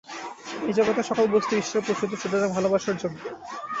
এই জগতের সকল বস্তুই ঈশ্বর-প্রসূত, সুতরাং ভালবাসার যোগ্য।